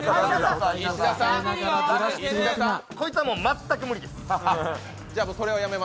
こいつはもう全く無理です。